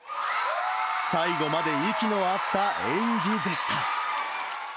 最後まで息の合った演技でした。